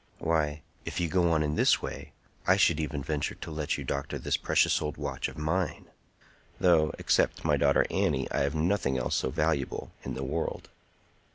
Why, if you go on in this way, I should even venture to let you doctor this precious old watch of mine; though, except my daughter Annie, I have nothing else so valuable in the world."